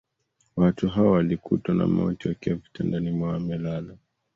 watu hao walikutwa na mauti wakiwa vitandani mwao wamelala